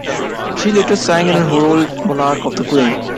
She later sang in her role on Monarch of the Glen.